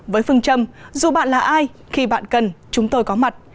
với phương châm dù bạn là ai khi bạn cần chúng tôi có mặt